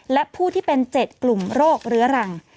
และผู้ที่เป็น๗กลุ่มโรคเรื้อรัง